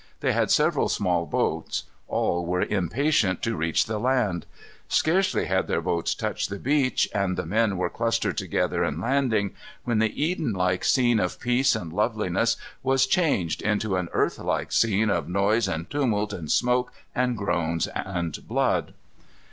They had several small boats. All were impatient to reach the land. Scarcely had their boats touched the beach, and the men were clustered together in landing, when the Eden like scene of peace and loveliness, was changed into an earth like scene of noise and tumult and smoke and groans and blood.